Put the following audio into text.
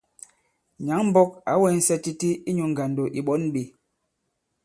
Nyǎŋ-mbɔk ǎ wɛŋsɛ titi inyū ŋgàndò ì ɓɔ̌n ɓē.